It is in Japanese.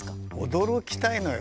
驚きたいのよ。